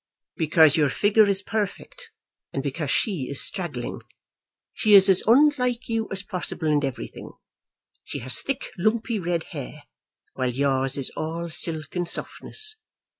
"Because your figure is perfect, and because she is straggling. She is as unlike you as possible in everything. She has thick lumpy red hair, while yours is all silk and softness.